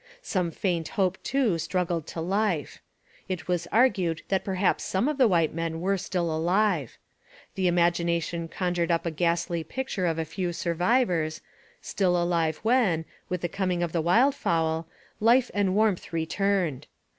Some faint hope too struggled to life. It was argued that perhaps some of the white men were still alive. The imagination conjured up a ghastly picture of a few survivors, still alive when, with the coming of the wild fowl, life and warmth returned.